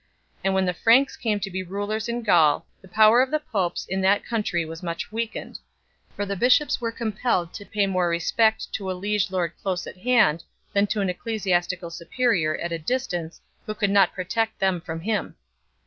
And when the Franks came to be rulers in Gaul, the power of the popes in that country was much weakened ; for the bishops were compelled to pay more respect to a liege lord close at hand than to an ecclesiastical superior at a distance who could not protect them from him.